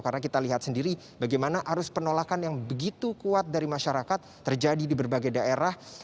karena kita lihat sendiri bagaimana arus penolakan yang begitu kuat dari masyarakat terjadi di berbagai daerah